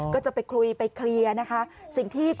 ก็จะไปคุยไปเคลียร์สิ่งที่บางคนจะรู้ไหมคะ